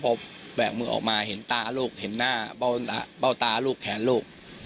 พอแบกมือออกมาเห็นตาลูกเห็นหน้าเบ้าตาลูกแขนลูก